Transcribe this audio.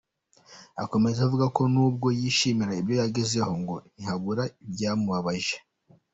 Akomeza avuga ko n’ubwo yishimira ibyo yagezeho ngo ntihabura ibyamubabaje.